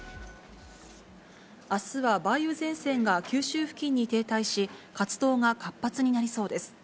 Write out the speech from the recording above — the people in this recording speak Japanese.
あすは梅雨前線が九州付近に停滞し、活動が活発になりそうです。